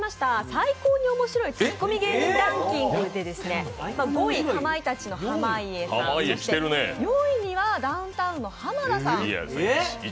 最高に面白いツッコミ芸人ランキングで５位、かまいたちの濱家さん、４位にはダウンタウンの浜田さん。